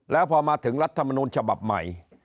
แล้วพอมาถึงรัฐมนูลฉบับใหม่